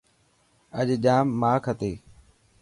اڄ ڄام ماک هتي.